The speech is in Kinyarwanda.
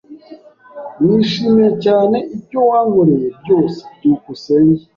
Nishimiye cyane ibyo wankoreye byose. byukusenge